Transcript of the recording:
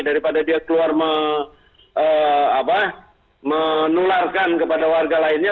daripada dia keluar menularkan kepada warga lainnya